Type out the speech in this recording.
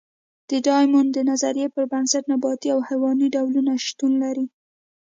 د ډایمونډ د نظریې پر بنسټ نباتي او حیواني ډولونه شتون لري.